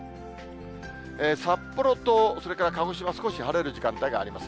札幌とそれから鹿児島、少し晴れる時間帯があります。